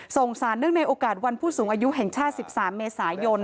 ส่งสารเนื่องในโอกาสวันผู้สูงอายุแห่งชาติ๑๓เมษายน